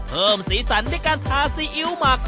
สีสันด้วยการทาซีอิ๊วหมัก